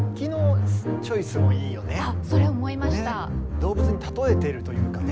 動物に例えてるというかね。